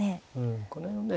これはね